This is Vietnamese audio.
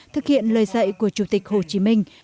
thực hiện lời dạy của chủ tịch hồ chí minh